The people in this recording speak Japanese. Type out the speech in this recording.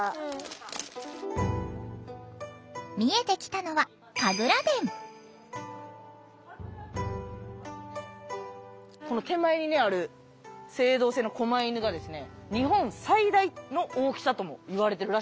見えてきたのはこの手前にある青銅製のこま犬が日本最大の大きさともいわれてるらしいんです。